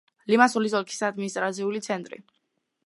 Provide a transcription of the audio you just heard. ლიმასოლის ოლქის ადმინისტრაციული ცენტრი.